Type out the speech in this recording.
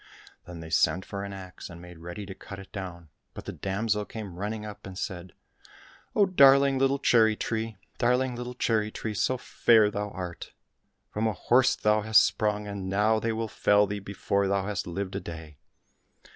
Then they sent for an axe and made ready to cut it down, but the damsel came running up, and said, " Oh, darling little cherry tree, darling little cherry tree, so fair thou art ! From a horse hast thou sprung, and now they will fell thee before thou hast lived a day